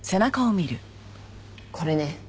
これね。